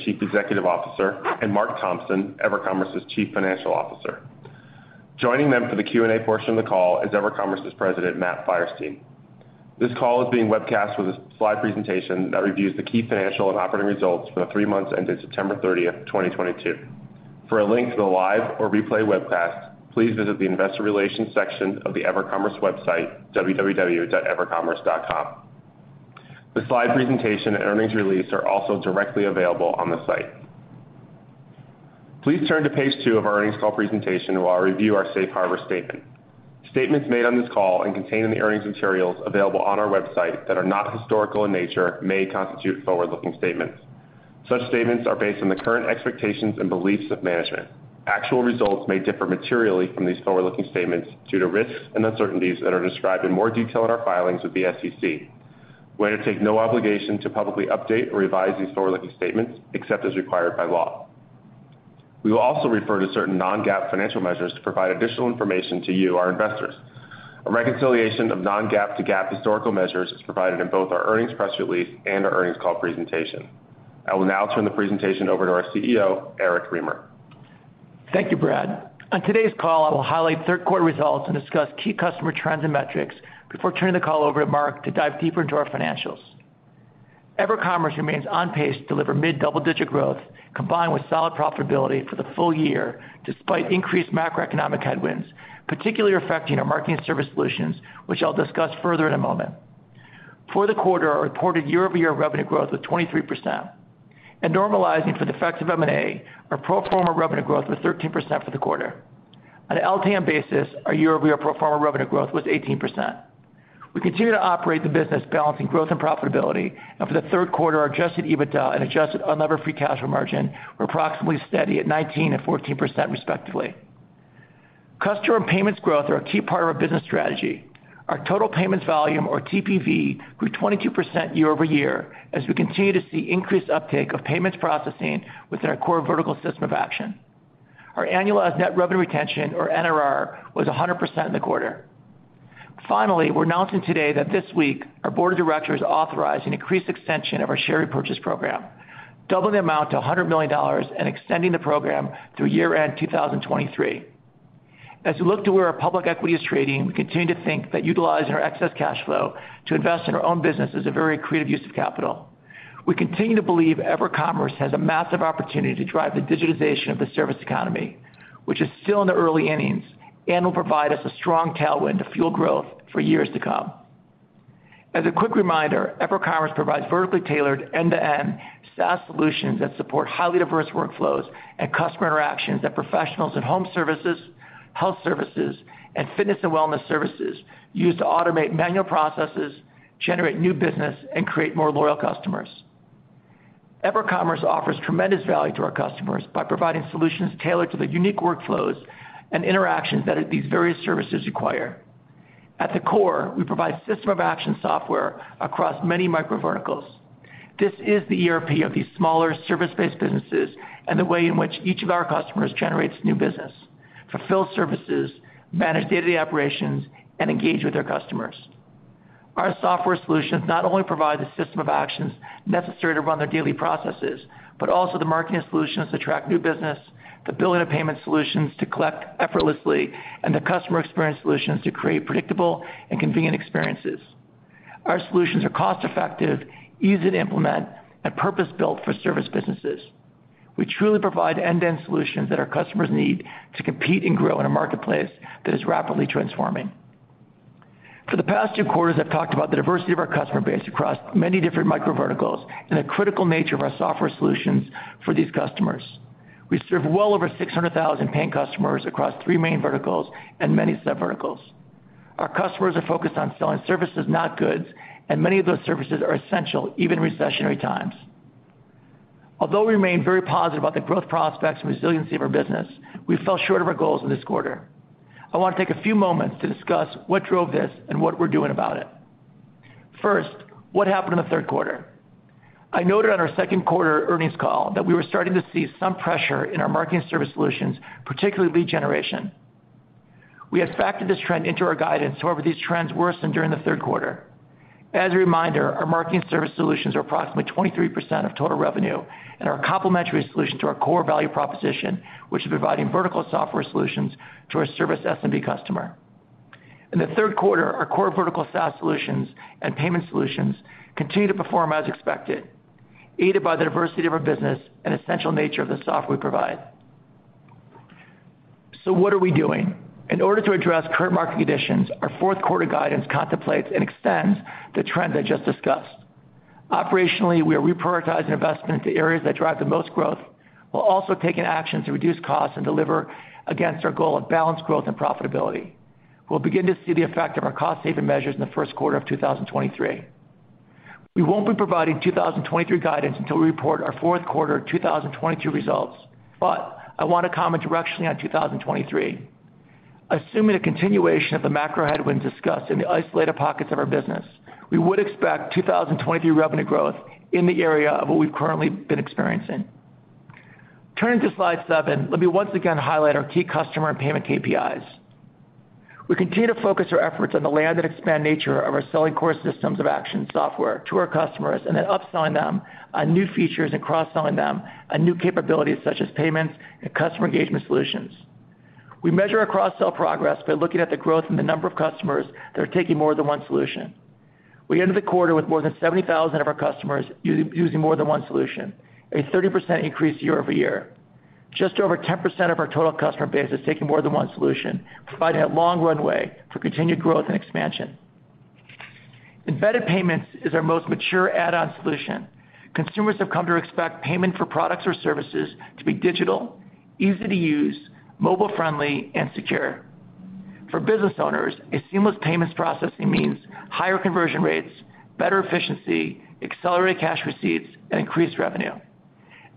Chief Executive Officer, and Marc Thompson, EverCommerce's Chief Financial Officer. Joining them for the Q&A portion of the call is EverCommerce's President, Matt Feierstein. This call is being webcast with a slide presentation that reviews the key financial and operating results for the three months ended September 30th, 2022. For a link to the live or replay webcast, please visit the investor relations section of the EverCommerce website, www.evercommerce.com. The slide presentation and earnings release are also directly available on the site. Please turn to page two of our earnings call presentation, where I'll review our safe harbor statement. Statements made on this call and contained in the earnings materials available on our website that are not historical in nature may constitute forward-looking statements. Such statements are based on the current expectations and beliefs of management. Actual results may differ materially from these forward-looking statements due to risks and uncertainties that are described in more detail in our filings with the SEC. We undertake no obligation to publicly update or revise these forward-looking statements except as required by law. We will also refer to certain non-GAAP financial measures to provide additional information to you, our investors. A reconciliation of non-GAAP to GAAP historical measures is provided in both our earnings press release and our earnings call presentation. I will now turn the presentation over to our CEO, Eric Remer. Thank you, Brad. On today's call, I will highlight third quarter results and discuss key customer trends and metrics before turning the call over to Marc to dive deeper into our financials. EverCommerce remains on pace to deliver mid-double-digit growth, combined with solid profitability for the full year, despite increased macroeconomic headwinds, particularly affecting our marketing service solutions, which I'll discuss further in a moment. For the quarter, our reported year-over-year revenue growth was 23%. Normalizing for the effects of M&A, our pro forma revenue growth was 13% for the quarter. On an LTM basis, our year-over-year pro forma revenue growth was 18%. We continue to operate the business balancing growth and profitability. For the third quarter, our Adjusted EBITDA and adjusted unlevered free cash flow margin were approximately steady at 19% and 14% respectively. Customer and payments growth are a key part of our business strategy. Our total payments volume, or TPV, grew 22% year-over-year, as we continue to see increased uptake of payments processing within our core vertical system of action. Our annual net revenue retention, or NRR, was 100% in the quarter. Finally, we're announcing today that this week our board of directors authorized an increased extension of our share repurchase program, doubling the amount to $100 million and extending the program through year-end 2023. As we look to where our public equity is trading, we continue to think that utilizing our excess cash flow to invest in our own business is a very creative use of capital. We continue to believe EverCommerce has a massive opportunity to drive the digitization of the service economy, which is still in the early innings and will provide us a strong tailwind to fuel growth for years to come. As a quick reminder, EverCommerce provides vertically tailored end-to-end SaaS solutions that support highly diverse workflows and customer interactions that professionals in home services, health services, and fitness and wellness services use to automate manual processes, generate new business, and create more loyal customers. EverCommerce offers tremendous value to our customers by providing solutions tailored to the unique workflows and interactions that these various services require. At the core, we provide system of action software across many micro verticals. This is the ERP of these smaller service-based businesses and the way in which each of our customers generates new business, fulfill services, manage day-to-day operations, and engage with their customers. Our software solutions not only provide the system of actions necessary to run their daily processes, but also the marketing solutions to attract new business, the billing and payment solutions to collect effortlessly, and the customer experience solutions to create predictable and convenient experiences. Our solutions are cost-effective, easy to implement, and purpose-built for service businesses. We truly provide end-to-end solutions that our customers need to compete and grow in a marketplace that is rapidly transforming. For the past two quarters, I've talked about the diversity of our customer base across many different micro verticals and the critical nature of our software solutions for these customers. We serve well over 600,000 paying customers across three main verticals and many sub verticals. Our customers are focused on selling services, not goods, and many of those services are essential, even in recessionary times. Although we remain very positive about the growth prospects and resiliency of our business, we fell short of our goals in this quarter. I want to take a few moments to discuss what drove this and what we're doing about it. First, what happened in the third quarter? I noted on our second quarter earnings call that we were starting to see some pressure in our marketing service solutions, particularly lead generation. We had factored this trend into our guidance. However, these trends worsened during the third quarter. As a reminder, our marketing service solutions are approximately 23% of total revenue and are a complementary solution to our core value proposition, which is providing vertical software solutions to our service SMB customer. In the third quarter, our core vertical SaaS solutions and payment solutions continued to perform as expected, aided by the diversity of our business and essential nature of the software we provide. What are we doing? In order to address current market conditions, our fourth quarter guidance contemplates and extends the trend I just discussed. Operationally, we are reprioritizing investment into areas that drive the most growth. We'll also take an action to reduce costs and deliver against our goal of balanced growth and profitability. We'll begin to see the effect of our cost-saving measures in the first quarter of 2023. We won't be providing 2023 guidance until we report our fourth quarter 2022 results, but I want to comment directionally on 2023. Assuming a continuation of the macro headwinds discussed in the isolated pockets of our business, we would expect 2023 revenue growth in the area of what we've currently been experiencing. Turning to slide seven, let me once again highlight our key customer and payment KPIs. We continue to focus our efforts on the land and expand nature of our selling core systems of action software to our customers, and then upselling them on new features and cross-selling them on new capabilities such as payments and customer engagement solutions. We measure our cross-sell progress by looking at the growth in the number of customers that are taking more than one solution. We ended the quarter with more than 70,000 of our customers using more than one solution, a 30% increase year-over-year. Just over 10% of our total customer base is taking more than one solution, providing a long runway for continued growth and expansion. Embedded payments is our most mature add-on solution. Consumers have come to expect payment for products or services to be digital, easy to use, mobile-friendly, and secure. For business owners, a seamless payments processing means higher conversion rates, better efficiency, accelerated cash receipts, and increased revenue.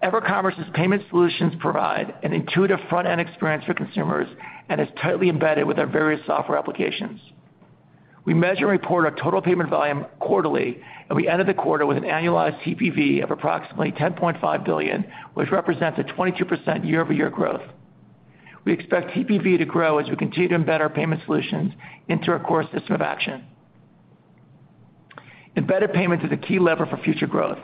EverCommerce's payment solutions provide an intuitive front-end experience for consumers and is tightly embedded with our various software applications. We measure and report our total payment volume quarterly, and we ended the quarter with an annualized TPV of approximately $10.5 billion, which represents a 22% year-over-year growth. We expect TPV to grow as we continue to embed our payment solutions into our core system of action. Embedded payments is a key lever for future growth.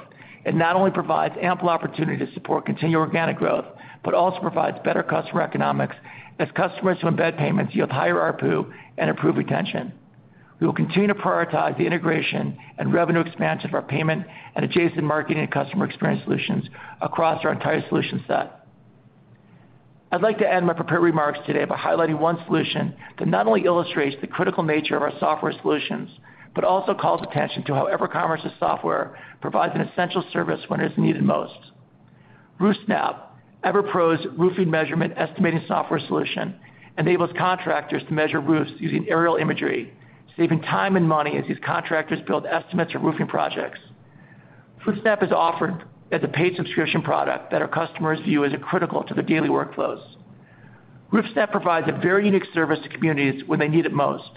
It not only provides ample opportunity to support continued organic growth, but also provides better customer economics as customers who embed payments yield higher ARPU and improve retention. We will continue to prioritize the integration and revenue expansion of our payment and adjacent marketing and customer experience solutions across our entire solution set. I'd like to end my prepared remarks today by highlighting one solution that not only illustrates the critical nature of our software solutions, but also calls attention to how EverCommerce's software provides an essential service when it's needed most. RoofSnap, EverPro's roofing measurement and estimating software solution, enables contractors to measure roofs using aerial imagery, saving time and money as these contractors build estimates for roofing projects. RoofSnap is offered as a paid subscription product that our customers view as critical to their daily workflows. RoofSnap provides a very unique service to communities when they need it most.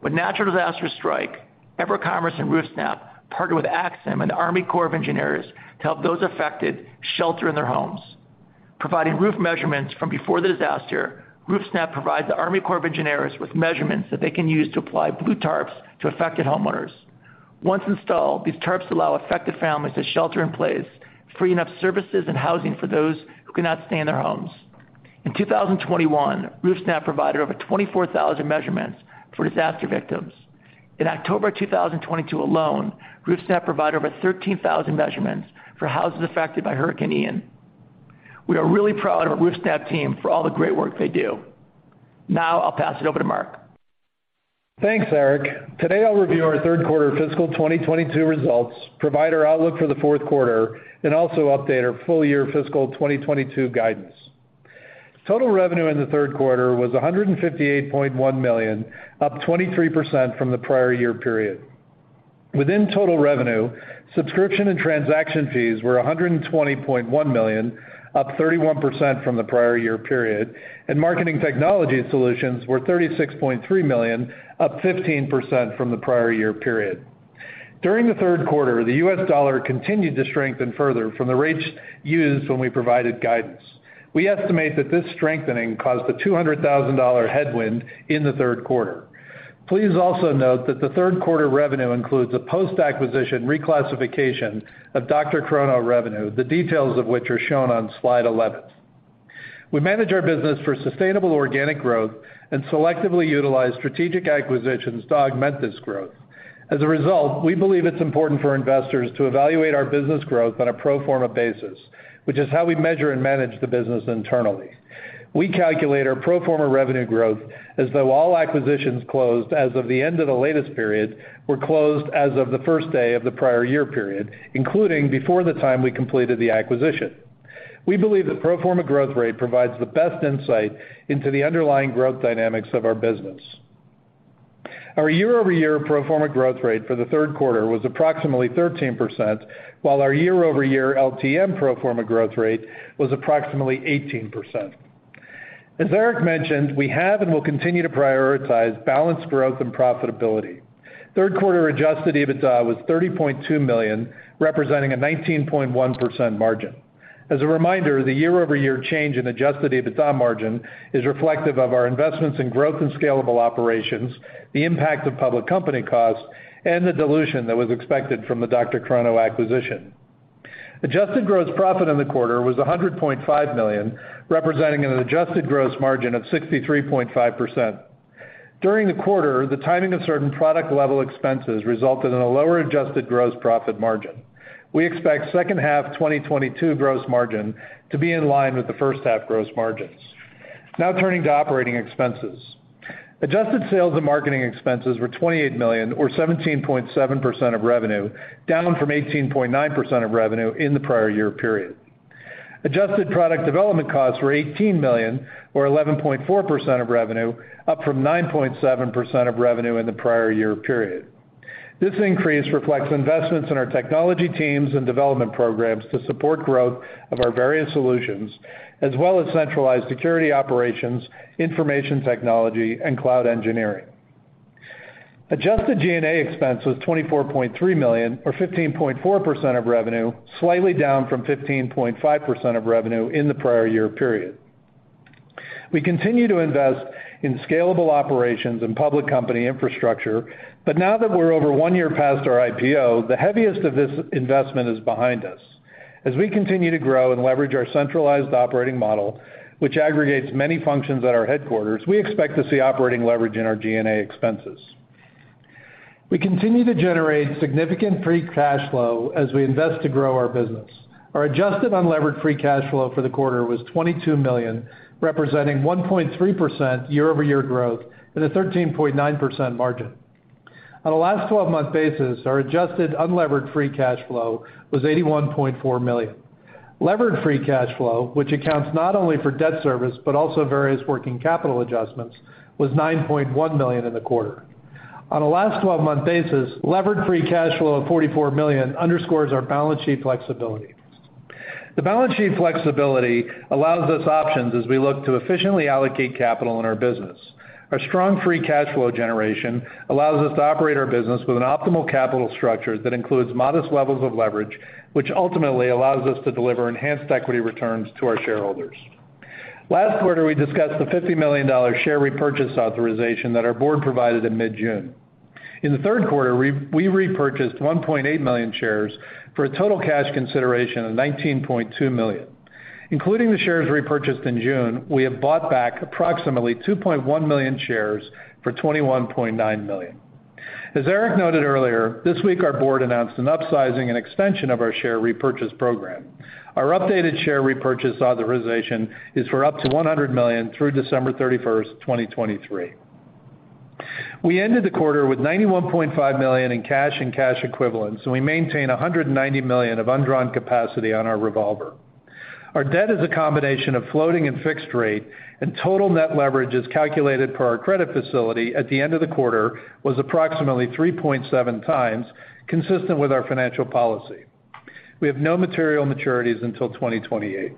When natural disasters strike, EverCommerce and RoofSnap partner with FEMA and the Army Corps of Engineers to help those affected shelter in their homes. Providing roof measurements from before the disaster, RoofSnap provides the Army Corps of Engineers with measurements that they can use to apply blue tarps to affected homeowners. Once installed, these tarps allow affected families to shelter in place, freeing up services and housing for those who cannot stay in their homes. In 2021, RoofSnap provided over 24,000 measurements for disaster victims. In October 2022 alone, RoofSnap provided over 13,000 measurements for houses affected by Hurricane Ian. We are really proud of our RoofSnap team for all the great work they do. Now, I'll pass it over to Marc. Thanks, Eric. Today, I'll review our third quarter fiscal 2022 results, provide our outlook for the fourth quarter, and also update our full year fiscal 2022 guidance. Total revenue in the third quarter was $158.1 million, up 23% from the prior year period. Within total revenue, subscription and transaction fees were $120.1 million, up 31% from the prior year period, and marketing technology solutions were $36.3 million, up 15% from the prior year period. During the third quarter, the U.S. dollar continued to strengthen further from the rates used when we provided guidance. We estimate that this strengthening caused a $200,000 headwind in the third quarter. Please also note that the third quarter revenue includes a post-acquisition reclassification of DrChrono revenue, the details of which are shown on slide 11. We manage our business for sustainable organic growth and selectively utilize strategic acquisitions to augment this growth. As a result, we believe it's important for investors to evaluate our business growth on a pro forma basis, which is how we measure and manage the business internally. We calculate our pro forma revenue growth as though all acquisitions closed as of the end of the latest period were closed as of the first day of the prior year period, including before the time we completed the acquisition. We believe the pro forma growth rate provides the best insight into the underlying growth dynamics of our business. Our year-over-year pro forma growth rate for the third quarter was approximately 13%, while our year-over-year LTM pro forma growth rate was approximately 18%. As Eric mentioned, we have and will continue to prioritize balanced growth and profitability. Third quarter Adjusted EBITDA was $30.2 million, representing a 19.1% margin. As a reminder, the year-over-year change in Adjusted EBITDA margin is reflective of our investments in growth and scalable operations, the impact of public company costs, and the dilution that was expected from the DrChrono acquisition. Adjusted gross profit in the quarter was $100.5 million, representing an adjusted gross margin of 63.5%. During the quarter, the timing of certain product level expenses resulted in a lower adjusted gross profit margin. We expect second half 2022 gross margin to be in line with the first half gross margins. Now turning to operating expenses. Adjusted sales and marketing expenses were $28 million or 17.7% of revenue, down from 18.9% of revenue in the prior year period. Adjusted product development costs were $18 million or 11.4% of revenue, up from 9.7% of revenue in the prior year period. This increase reflects investments in our technology teams and development programs to support growth of our various solutions, as well as centralized security operations, information technology, and cloud engineering. Adjusted G&A expense was $24.3 million or 15.4% of revenue, slightly down from 15.5% of revenue in the prior year period. We continue to invest in scalable operations and public company infrastructure, but now that we're over one year past our IPO, the heaviest of this investment is behind us. As we continue to grow and leverage our centralized operating model, which aggregates many functions at our headquarters, we expect to see operating leverage in our G&A expenses. We continue to generate significant free cash flow as we invest to grow our business. Our adjusted unlevered free cash flow for the quarter was $22 million, representing 1.3% year-over-year growth and a 13.9% margin. On a last twelve-month basis, our adjusted unlevered free cash flow was $81.4 million. Levered free cash flow, which accounts not only for debt service but also various working capital adjustments, was $9.1 million in the quarter. On a last twelve-month basis, levered free cash flow of $44 million underscores our balance sheet flexibility. The balance sheet flexibility allows us options as we look to efficiently allocate capital in our business. Our strong free cash flow generation allows us to operate our business with an optimal capital structure that includes modest levels of leverage, which ultimately allows us to deliver enhanced equity returns to our shareholders. Last quarter, we discussed the $50 million share repurchase authorization that our board provided in mid-June. In the third quarter, we repurchased 1.8 million shares for a total cash consideration of $19.2 million. Including the shares repurchased in June, we have bought back approximately 2.1 million shares for $21.9 million. As Eric noted earlier, this week our board announced an upsizing and extension of our share repurchase program. Our updated share repurchase authorization is for up to $100 million through December 31st, 2023. We ended the quarter with $91.5 million in cash and cash equivalents, and we maintain $190 million of undrawn capacity on our revolver. Our debt is a combination of floating and fixed rate, and total net leverage, as calculated per our credit facility at the end of the quarter, was approximately 3.7x, consistent with our financial policy. We have no material maturities until 2028.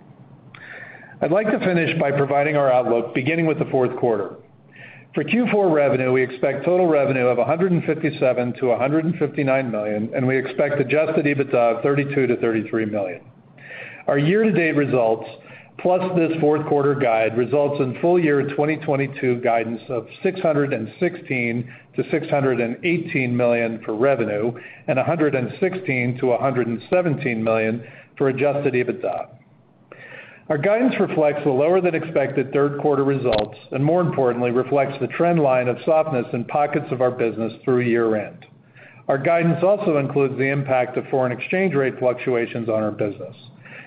I'd like to finish by providing our outlook, beginning with the fourth quarter. For Q4 revenue, we expect total revenue of $157 million-$159 million, and we expect Adjusted EBITDA of $32 million-$33 million. Our year-to-date results, plus this fourth quarter guide, results in full year 2022 guidance of $616 million-$618 million for revenue and $116 million-$117 million for Adjusted EBITDA. Our guidance reflects the lower than expected third quarter results, and more importantly, reflects the trend line of softness in pockets of our business through year-end. Our guidance also includes the impact of foreign exchange rate fluctuations on our business.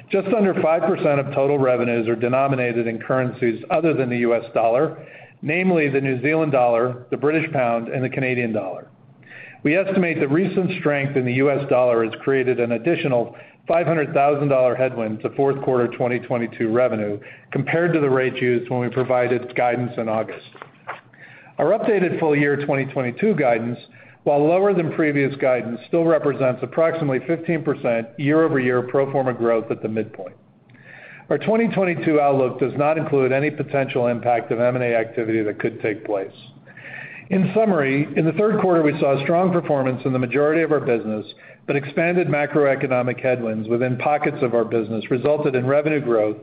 Just under 5% of total revenues are denominated in currencies other than the U.S. dollar, namely the New Zealand dollar, the British pound, and the Canadian dollar. We estimate the recent strength in the U.S. dollar has created an additional $500,000 headwind to fourth quarter 2022 revenue compared to the rate used when we provided guidance in August. Our updated full year 2022 guidance, while lower than previous guidance, still represents approximately 15% year-over-year pro forma growth at the midpoint. Our 2022 outlook does not include any potential impact of M&A activity that could take place. In summary, in the third quarter we saw strong performance in the majority of our business, but expanded macroeconomic headwinds within pockets of our business resulted in revenue growth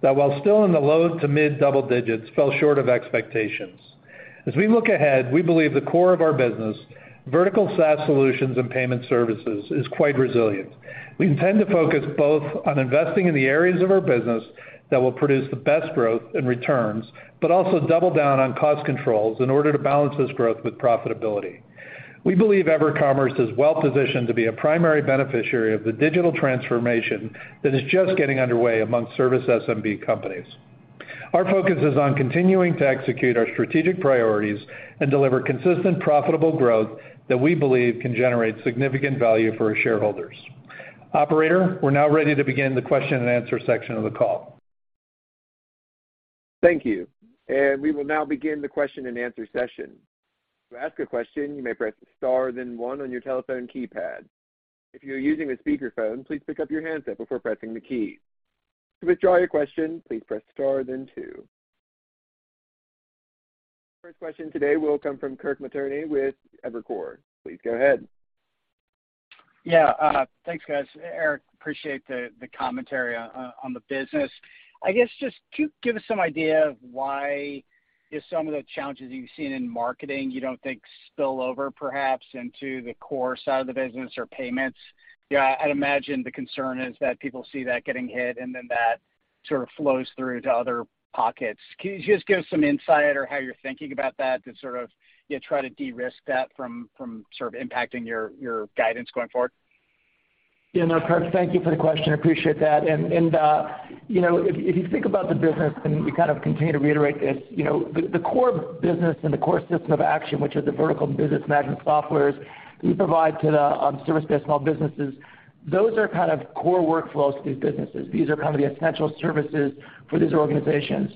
that while still in the low to mid double digits, fell short of expectations. As we look ahead, we believe the core of our business, vertical SaaS solutions and payment services, is quite resilient. We intend to focus both on investing in the areas of our business that will produce the best growth and returns, but also double down on cost controls in order to balance this growth with profitability. We believe EverCommerce is well positioned to be a primary beneficiary of the digital transformation that is just getting underway among service SMB companies. Our focus is on continuing to execute our strategic priorities and deliver consistent, profitable growth that we believe can generate significant value for our shareholders. Operator, we're now ready to begin the question and answer section of the call. Thank you. We will now begin the question and answer session. To ask a question, you may press star then one on your telephone keypad. If you're using a speakerphone, please pick up your handset before pressing the key. To withdraw your question, please press star then two. First question today will come from Kirk Materne with Evercore. Please go ahead. Yeah. Thanks, guys. Eric, appreciate the commentary on the business. I guess just can you give us some idea of why, you know, some of the challenges you've seen in marketing you don't think spill over perhaps into the core side of the business or payments? You know, I'd imagine the concern is that people see that getting hit and then that sort of flows through to other pockets. Can you just give us some insight or how you're thinking about that to sort of, you know, try to de-risk that from sort of impacting your guidance going forward? Yeah, no, Kirk, thank you for the question, appreciate that. You know, if you think about the business, and we kind of continue to reiterate this, you know, the core business and the core system of action, which is the vertical business management softwares we provide to the service-based small businesses, those are kind of core workflows to these businesses. These are kind of the essential services for these organizations.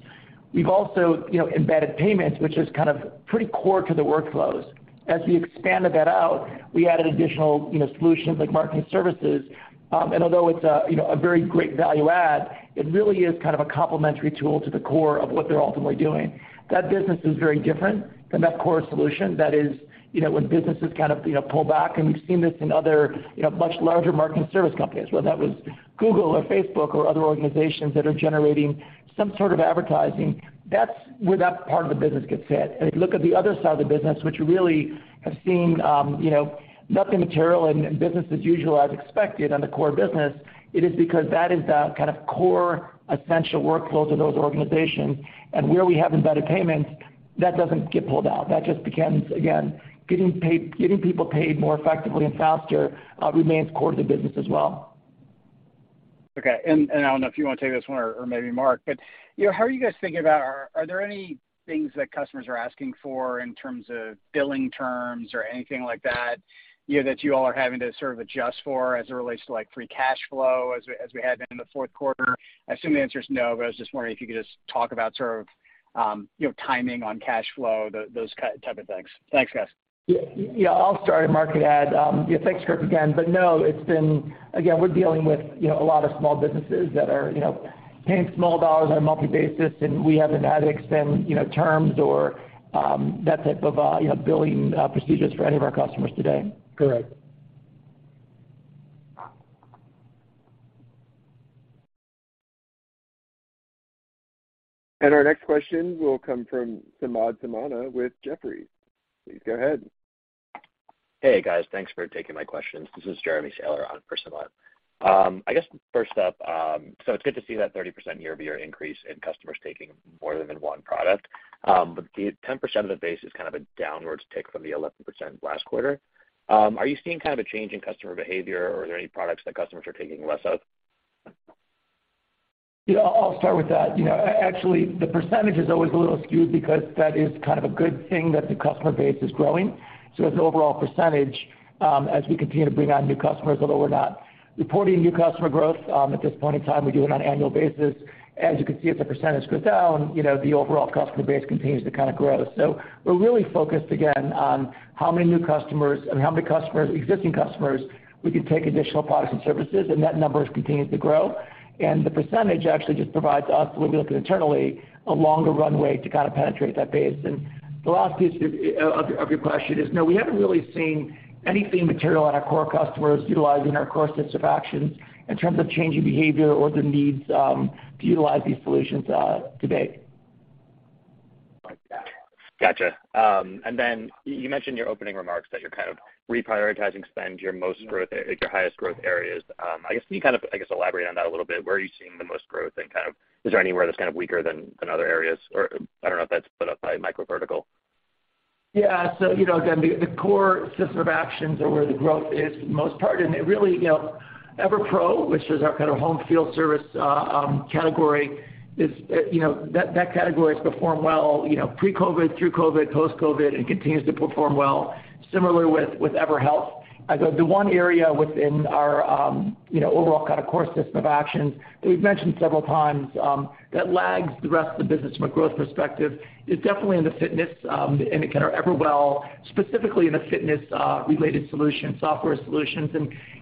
We've also, you know, embedded payments, which is kind of pretty core to the workflows. As we expanded that out, we added additional, you know, solutions like marketing services. Although it's a, you know, a very great value add, it really is kind of a complementary tool to the core of what they're ultimately doing. That business is very different than that core solution that is, you know, when businesses kind of, you know, pull back, and we've seen this in other, you know, much larger marketing service companies, whether that was Google or Facebook or other organizations that are generating some sort of advertising. That's where that part of the business gets hit. If you look at the other side of the business, which really have seen, you know, nothing material and business as usual as expected on the core business, it is because that is the kind of core essential workflows of those organizations. Where we have embedded payments, that doesn't get pulled out. That just becomes, again, getting people paid more effectively and faster, remains core to the business as well. Okay. I don't know if you wanna take this one or maybe Mark, but you know, how are you guys thinking about, are there any things that customers are asking for in terms of billing terms or anything like that, you know, that you all are having to sort of adjust for as it relates to like free cash flow as we had been in the fourth quarter? I assume the answer is no, but I was just wondering if you could just talk about sort of, you know, timing on cash flow, those kind of things. Thanks, guys. Yeah. I'll start and Marc can add. Yeah, thanks, Kirk, again. No, it's been. Again, we're dealing with you know a lot of small businesses that are you know paying small dollars on a monthly basis, and we haven't had to extend you know terms or that type of you know billing procedures for any of our customers today. Correct. Our next question will come from Samad Samana with Jefferies. Please go ahead. Hey, guys. Thanks for taking my questions. This is Jeremy Sahler on for Samad. I guess first up, so it's good to see that 30% year-over-year increase in customers taking more than one product. But the 10% of the base is kind of a downwards tick from the 11% last quarter. Are you seeing kind of a change in customer behavior, or are there any products that customers are taking less of? Yeah, I'll start with that. You know, actually, the percentage is always a little skewed because that is kind of a good thing that the customer base is growing. As the overall percentage, as we continue to bring on new customers, although we're not reporting new customer growth, at this point in time, we do it on an annual basis. As you can see, as the percentage goes down, you know, the overall customer base continues to kind of grow. We're really focused, again, on how many new customers and how many customers, existing customers we can take additional products and services, and that number continues to grow. The percentage actually just provides us, when we look internally, a longer runway to kind of penetrate that base. The last piece of your question is, no, we haven't really seen anything material on our core customers utilizing our core system of action in terms of changing behavior or the needs to utilize these solutions today. Gotcha. Then you mentioned in your opening remarks that you're kind of reprioritizing spend, your highest growth areas. I guess can you kind of, I guess, elaborate on that a little bit? Where are you seeing the most growth, and kind of is there anywhere that's kind of weaker than other areas, or I don't know if that's split up by micro vertical? Yeah. You know, again, the core systems of action are where the growth is for the most part. It really, you know, EverPro, which is our kind of home field service category, is, you know, that category has performed well, you know, pre-COVID, through COVID, post-COVID, and continues to perform well similarly with EverHealth. I'd say the one area within our, you know, overall kind of core systems of action that we've mentioned several times, that lags the rest of the business from a growth perspective is definitely in the fitness and kind of EverWell, specifically in the fitness related solution, software solutions.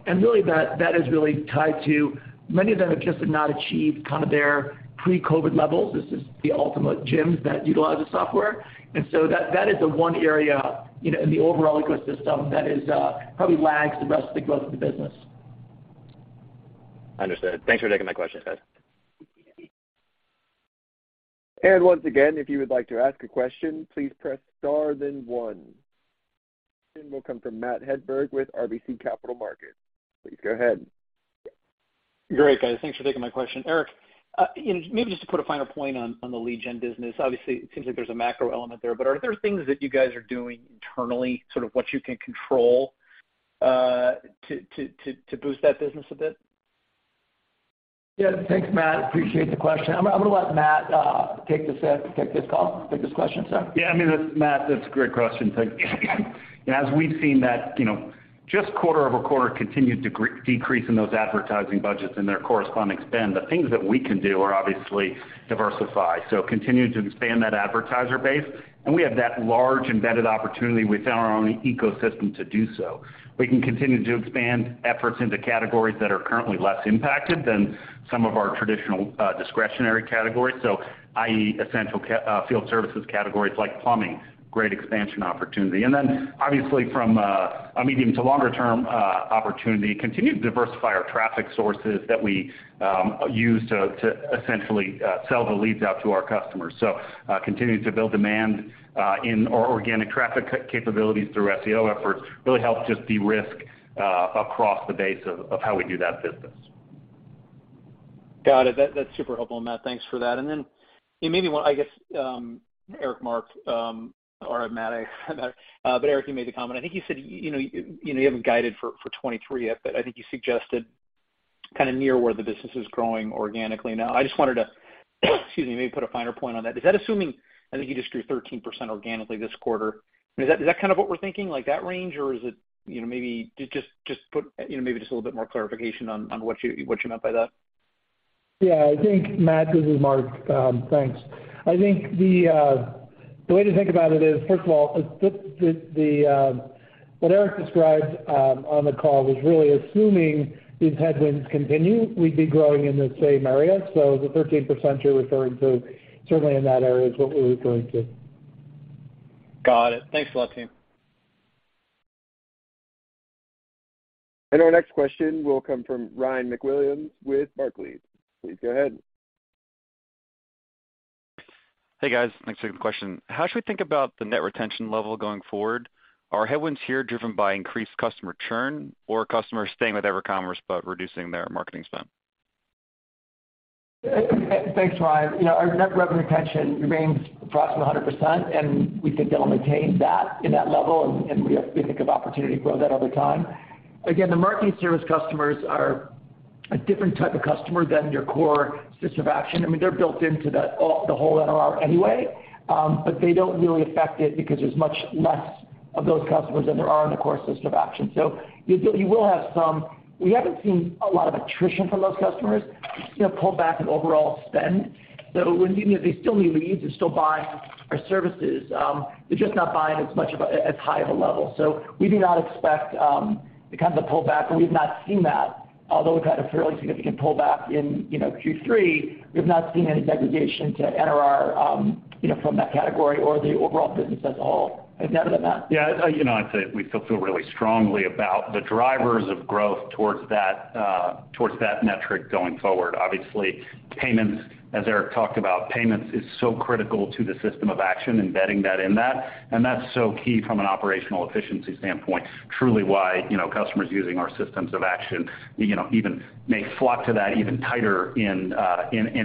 Really that is really tied to many of them have just not achieved kind of their pre-COVID levels. This is ultimately the gyms that utilize the software. That is the one area, you know, in the overall ecosystem that is probably lags the rest of the growth of the business. Understood. Thanks for taking my questions, guys. Once again, if you would like to ask a question, please press star then one. Next question will come from Matt Hedberg with RBC Capital Markets. Please go ahead. Great, guys. Thanks for taking my question. Eric, and maybe just to put a finer point on the lead gen business. Obviously, it seems like there's a macro element there, but are there things that you guys are doing internally, sort of what you can control, to boost that business a bit? Yeah. Thanks, Matt. Appreciate the question. I'm gonna let Matt take this question, sir. Yeah, I mean, that's Matt, that's a great question. Thank you. As we've seen that, you know, just quarter-over-quarter continued decrease in those advertising budgets and their corresponding spend. The things that we can do are obviously diversify, so continue to expand that advertiser base. We have that large embedded opportunity within our own ecosystem to do so. We can continue to expand efforts into categories that are currently less impacted than some of our traditional, discretionary categories. i.e., essential field services categories like plumbing, great expansion opportunity. Obviously from a medium to longer term opportunity, continue to diversify our traffic sources that we use to essentially sell the leads out to our customers. Continuing to build demand in our organic traffic capabilities through SEO efforts really helps just de-risk across the base of how we do that business. Got it. That's super helpful, Matt. Thanks for that. Then you maybe want, I guess, Eric, Marc, or Matt. Eric, you made the comment. I think you said, you know, you haven't guided for 2023 yet, but I think you suggested kind of near where the business is growing organically now. I just wanted to, excuse me, maybe put a finer point on that. Is that assuming, I think you just grew 13% organically this quarter. Is that kind of what we're thinking, like that range? Or is it, you know, maybe just put a little bit more clarification on what you meant by that? Yeah, I think, Matt, this is Marc. Thanks. I think the way to think about it is, first of all, what Eric described on the call was really assuming these headwinds continue, we'd be growing in the same area. The 13% you're referring to certainly in that area is what we're referring to. Got it. Thanks a lot, team. Our next question will come from Ryan MacWilliams with Barclays. Please go ahead. Hey, guys. Thanks for the question. How should we think about the net retention level going forward? Are headwinds here driven by increased customer churn or customers staying with EverCommerce but reducing their marketing spend? Thanks, Ryan. You know, our net revenue retention remains approximately 100%, and we think it'll maintain that level, and we think of opportunity to grow that over time. Again, the marketing service customers are a different type of customer than your core system of action. I mean, they're built into the whole NRR anyway, but they don't really affect it because there's much less of those customers than there are in the core system of action. So you will have some. We haven't seen a lot of attrition from those customers, you know, pull back in overall spend. They still need leads, they're still buying our services, they're just not buying as high of a level. So we do not expect the kinds of pullback, and we've not seen that. Although we've had a fairly significant pullback in, you know, Q3, we've not seen any degradation to NRR, you know, from that category or the overall business as a whole. Have to add to that, Matt? Yeah. You know, I'd say we still feel really strongly about the drivers of growth towards that metric going forward. Obviously, payments, as Eric talked about, payments is so critical to the system of action, embedding that in that, and that's so key from an operational efficiency standpoint, truly why, you know, customers using our systems of action, you know, even may flock to that even tighter in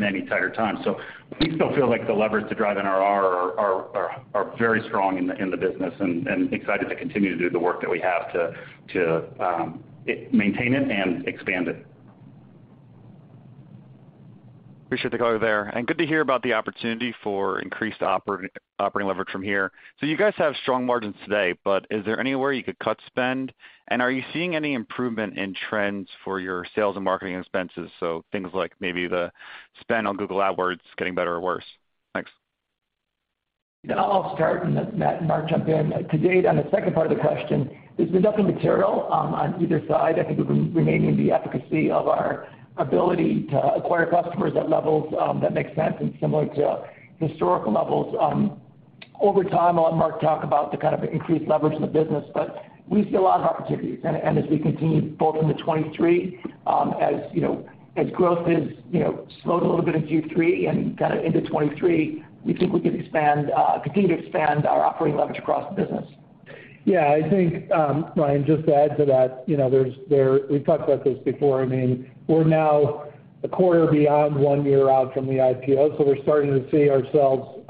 any tighter time. We still feel like the levers to drive NRR are very strong in the business and excited to continue to do the work that we have to maintain it and expand it. Appreciate the color there. Good to hear about the opportunity for increased operating leverage from here. You guys have strong margins today, but is there anywhere you could cut spend? Are you seeing any improvement in trends for your sales and marketing expenses? Things like maybe the spend on Google Ads getting better or worse. Thanks. I'll start and let Matt and Marc jump in. To date, on the second part of the question, there's been nothing material, on either side. I think we're remaining the efficacy of our ability to acquire customers at levels, that make sense and similar to historical levels. Over time, I'll let Marc talk about the kind of increased leverage in the business, but we see a lot of opportunities. And as we continue both into 2023, as you know, as growth is, you know, slowed a little bit in Q3 and kind of into 2023, we think we can expand, continue to expand our operating leverage across the business. Yeah. I think, Ryan, just to add to that, you know, we've talked about this before, I mean, we're now a quarter beyond one year out from the IPO, so we're starting to see ourselves,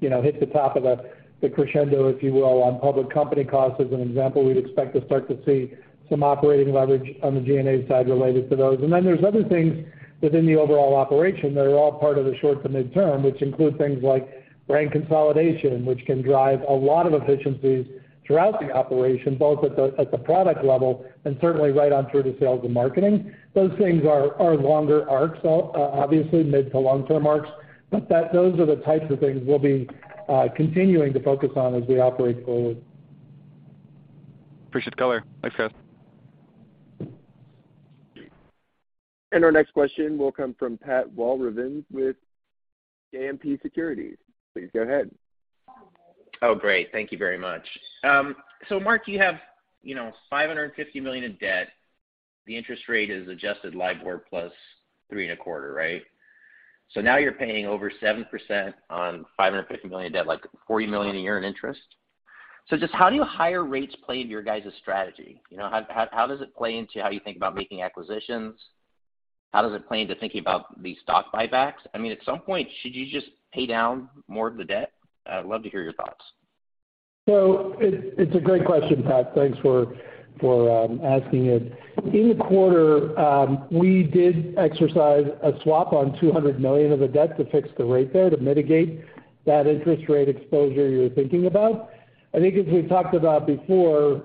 you know, hit the top of the crescendo, if you will, on public company costs as an example. We'd expect to start to see some operating leverage on the G&A side related to those. Then there's other things within the overall operation that are all part of the short to mid-term, which include things like brand consolidation, which can drive a lot of efficiencies throughout the operation, both at the product level and certainly right on through to sales and marketing. Those things are longer arcs, obviously mid- to long-term arcs, but those are the types of things we'll be continuing to focus on as we operate forward. Appreciate the color. Thanks, guys. Our next question will come from Pat Walravens with JMP Securities. Please go ahead. Oh, great. Thank you very much. Marc, you have, you know, $550 million in debt. The interest rate is adjusted LIBOR plus 3.25, right? Now you're paying over 7% on $550 million debt, like $40 million a year in interest. Just how do higher rates play into your guys' strategy? You know, how does it play into how you think about making acquisitions? How does it play into thinking about the stock buybacks? I mean, at some point, should you just pay down more of the debt? I'd love to hear your thoughts. It's a great question, Pat. Thanks for asking it. In the quarter, we did exercise a swap on $200 million of the debt to fix the rate there to mitigate that interest rate exposure you're thinking about. I think as we've talked about before,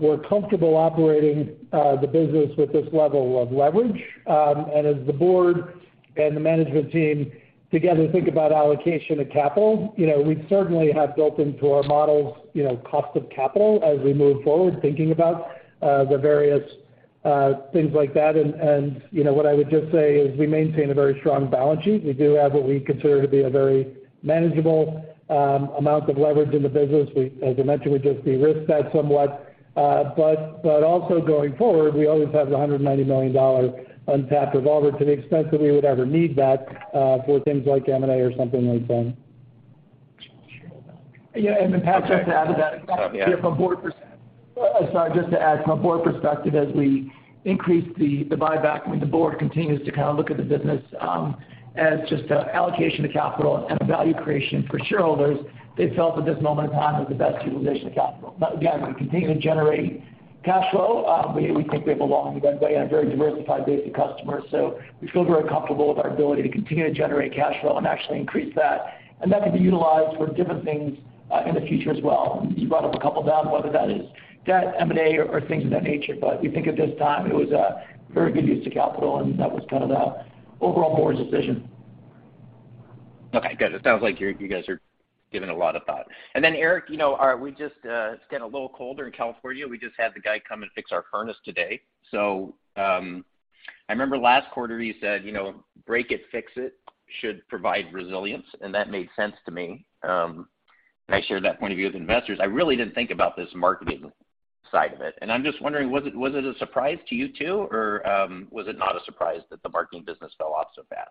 we're comfortable operating the business with this level of leverage. As the board and the management team together think about allocation of capital, you know, we certainly have built into our models, you know, cost of capital as we move forward, thinking about the various things like that. You know, what I would just say is we maintain a very strong balance sheet. We do have what we consider to be a very manageable amount of leverage in the business. As I mentioned, we just de-risked that somewhat. But also going forward, we always have the $190 million untapped revolver to the extent that we would ever need that, for things like M&A or something like that. Yeah, Patrick, just to add to that from a board perspective, as we increase the buyback, I mean, the board continues to kind of look at the business as just a allocation of capital and value creation for shareholders. They felt at this moment in time was the best utilization of capital. Again, we continue to generate cash flow. We think we have a long runway and very diversified base of customers, so we feel very comfortable with our ability to continue to generate cash flow and actually increase that. That can be utilized for different things in the future as well. You brought up a couple of them, whether that is debt, M&A, or things of that nature. We think at this time it was a very good use of capital, and that was kind of the overall board's decision. Okay, good. It sounds like you guys have given a lot of thought. Then Eric, you know, it's getting a little colder in California. We just had the guy come and fix our furnace today. I remember last quarter you said, you know, break it, fix it, should provide resilience, and that made sense to me. I shared that point of view with investors. I really didn't think about this marketing side of it. I'm just wondering, was it a surprise to you too, or was it not a surprise that the marketing business fell off so fast?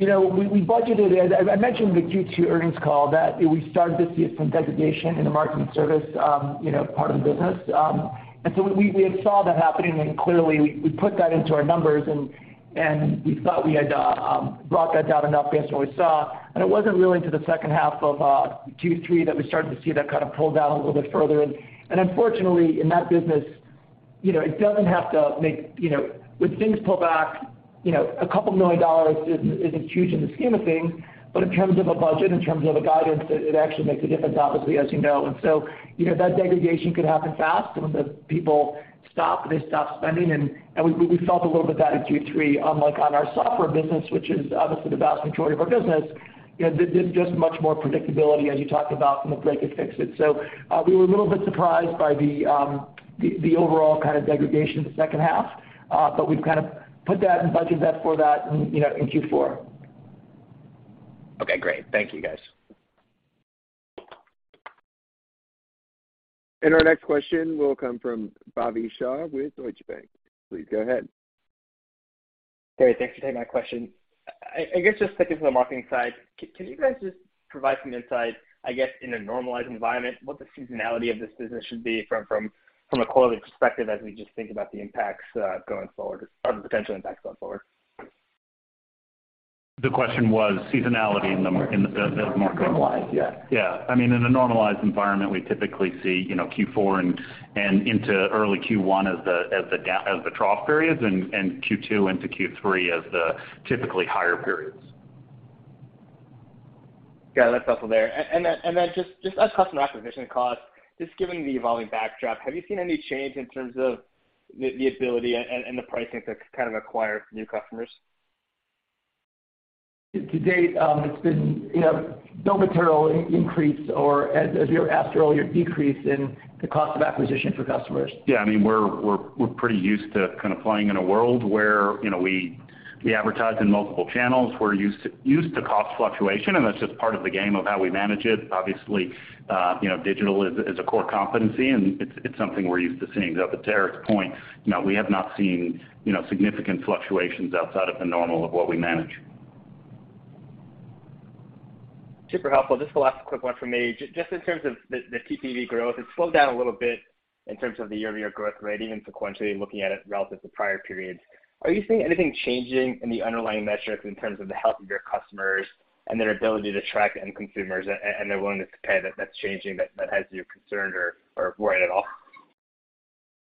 You know, we budgeted it. I mentioned the Q2 earnings call that we started to see some degradation in the marketing service, you know, part of the business. We had saw that happening, and clearly we put that into our numbers and we thought we had brought that down enough based on what we saw. It wasn't really until the second half of Q3 that we started to see that kind of pull down a little bit further. Unfortunately, in that business, you know, it doesn't have to make, you know, when things pull back, you know, $2 million isn't huge in the scheme of things. In terms of a budget, in terms of a guidance, it actually makes a difference, obviously, as you know. You know, that degradation could happen fast when the people stop, they stop spending, and we felt a little bit that in Q3, unlike on our software business, which is obviously the vast majority of our business. You know, there's just much more predictability as you talked about from the break and fix it. We were a little bit surprised by the overall kind of degradation in the second half, but we've kind of put that and budgeted that for that, you know, in Q4. Okay, great. Thank you, guys. Our next question will come from Bhavin Shah with Deutsche Bank. Please go ahead. Great. Thanks for taking my question. I guess just sticking to the marketing side, can you guys just provide some insight, I guess, in a normalized environment, what the seasonality of this business should be from a quality perspective as we just think about the impacts going forward or the potential impacts going forward? The question was seasonality in the marketing. Normalized, yeah. Yeah. I mean, in a normalized environment, we typically see, you know, Q4 and into early Q1 as the trough periods and Q2 into Q3 as the typically higher periods. Got it. That's helpful there. Just as customer acquisition costs, just given the evolving backdrop, have you seen any change in terms of the ability and the pricing to kind of acquire new customers? To date, it's been, you know, no material increase or year-over-year decrease in the cost of acquisition for customers. Yeah. I mean, we're pretty used to kind of playing in a world where, you know, we advertise in multiple channels. We're used to cost fluctuation, and that's just part of the game of how we manage it. Obviously, you know, digital is a core competency, and it's something we're used to seeing. To Eric's point, you know, we have not seen, you know, significant fluctuations outside of the normal of what we manage. Super helpful. Just the last quick one from me. Just in terms of the TPV growth, it's slowed down a little bit in terms of the year-over-year growth rate, even sequentially looking at it relative to prior periods. Are you seeing anything changing in the underlying metrics in terms of the health of your customers and their ability to track end consumers and their willingness to pay that's changing that has you concerned or worried at all?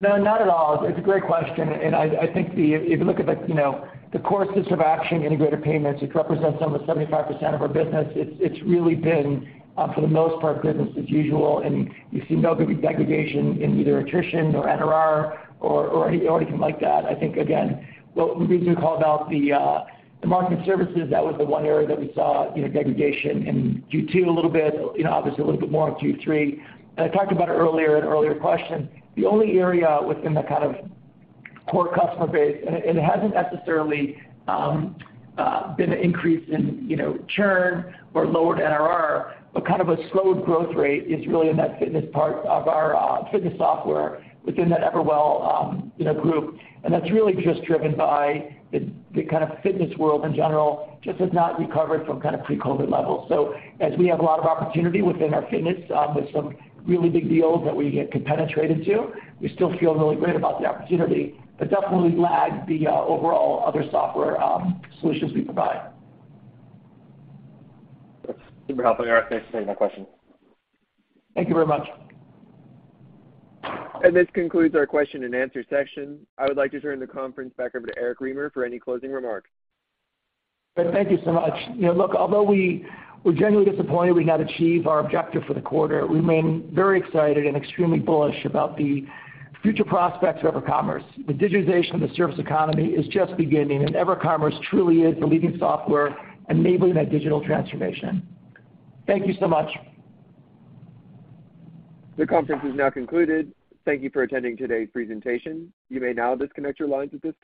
No, not at all. It's a great question, and I think if you look at the, you know, the system of action, integrated payments, which represents almost 75% of our business, it's really been, for the most part, business as usual. We've seen no degradation in either attrition or NRR or anything like that. I think again, what we do call out, the market services, that was the one area that we saw, you know, degradation in Q2 a little bit, you know, obviously a little bit more in Q3. I talked about it earlier in earlier questions, the only area within the kind of core customer base, and it hasn't necessarily been an increase in, you know, churn or lower NRR, but kind of a slowed growth rate is really in that fitness part of our fitness software within that EverWell, you know, group. That's really just driven by the kind of fitness world in general, just has not recovered from kind of pre-COVID levels. As we have a lot of opportunity within our fitness with some really big deals that we haven't penetrated yet, we still feel really great about the opportunity, but definitely lag the overall other software solutions we provide. That's super helpful, Eric. Thanks for taking my question. Thank you very much. This concludes our question and answer section. I would like to turn the conference back over to Eric Remer for any closing remarks. Thank you so much. You know, look, although we were generally disappointed, we cannot achieve our objective for the quarter, we remain very excited and extremely bullish about the future prospects of EverCommerce. The digitization of the service economy is just beginning, and EverCommerce truly is the leading software enabling that digital transformation. Thank you so much. The conference is now concluded. Thank you for attending today's presentation. You may now disconnect your lines at this time.